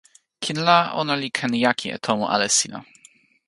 kin la ona li ken jaki e tomo ale sina.